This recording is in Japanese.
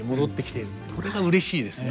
これがうれしいですね。